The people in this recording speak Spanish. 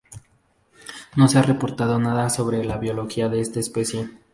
No se ha reportado nada sobre la biología de esta especie.